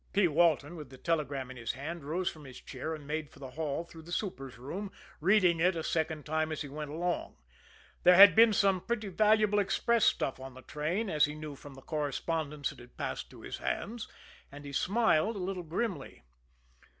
P. Walton, with the telegram in his hand, rose from his chair and made for the hall through the super's room, reading it a second time as he went along. There had been some pretty valuable express stuff on the train, as he knew from the correspondence that had passed through his hands and he smiled a little grimly.